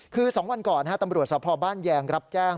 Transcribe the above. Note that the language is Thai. คือ๒วันก่อนตำรวจสภบ้านแยงรับแจ้ง